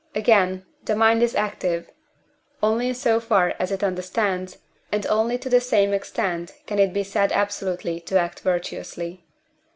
Again, the mind is active, only in so far as it understands, and only to the same extent can it be said absolutely to act virtuously.